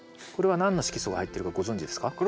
これは何の色素が入ってるかご存じですか？